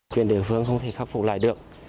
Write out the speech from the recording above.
chuyện đề phương không thể khắc phục lại được